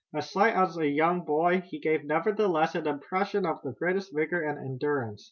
As slight as a young boy, he gave, nevertheless, an impression of the greatest vigor and endurance.